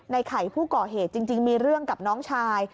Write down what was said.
ไข่ผู้ก่อเหตุจริงมีเรื่องกับน้องชาย